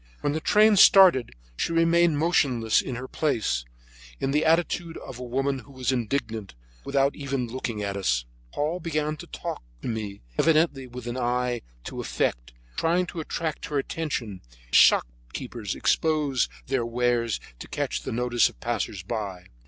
When the train started she remained motionless in her place, in the attitude of a woman who was indignant, without even looking at us. Paul began to talk to me, evidently with an eye to effect, trying to attract her attention, as shopkeepers expose their choice wares to catch the notice of passersby.